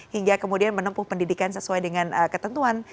hingga kemudian menempuh pendidikan sesuai dengan ketentuan